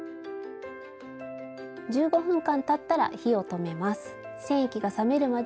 １５分間たったら火を止めます。